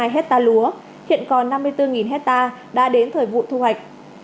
hết ta lúa hiện còn năm mươi bốn hết ta đã đến thời vụ thu hoạch